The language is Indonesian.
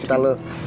insya allah bang